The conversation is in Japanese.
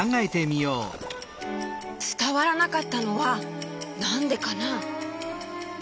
つたわらなかったのはなんでかな？